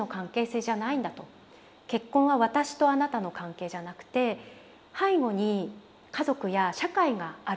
結婚は私とあなたの関係じゃなくて背後に家族や社会があると。